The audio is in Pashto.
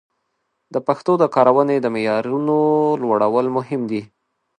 د پښتو د کارونې د معیارونو لوړول مهم دي.